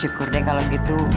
ya ya allah